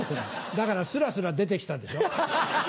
だからすらすら出て来たでしょ？